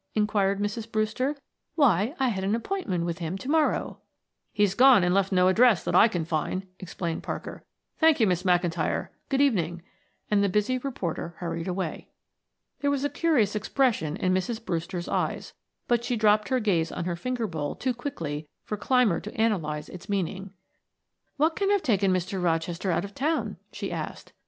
inquired Mrs. Brewster. "Why, I had an appointment with him to morrow." "He's gone and left no address that I can find," explained Parker. "Thank you, Miss McIntyre; good evening," and the busy reporter hurried away. There was a curious expression in Mrs. Brewster's eyes, but she dropped her gaze on her finger bowl too quickly for Clymer to analyze its meaning. "What can have taken Mr. Rochester out of town?" she asked.